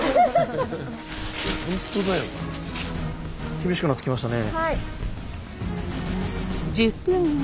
厳しくなってきましたね。